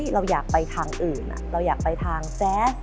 เราอยากไปทางอื่นเราอยากไปทางแจ๊